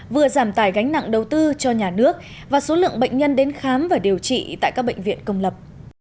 vừa giảm tài gánh nặng đầu tư cho nhà nước và số lượng bệnh nhân đến khám và điều trị tại các bệnh viện công lập